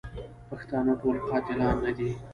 پښتانه ټول قاتلان نه دي.